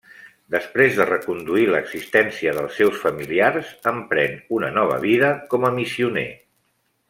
Després de reconduir l'existència dels seus familiars, emprèn una nova vida com a missioner.